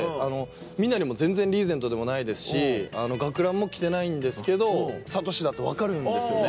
みんなよりも全然リーゼントでもないですし学ランも着てないんですけど智司だって分かるんですよね。